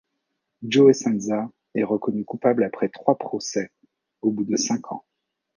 Joey Sanza est reconnu coupable après trois procès, au bout de cinq ans.